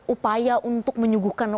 upaya untuk menyuguhkan